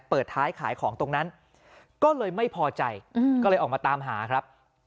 เปิดท้ายขายของตรงนั้นก็เลยไม่พอใจก็เลยออกมาตามหาครับ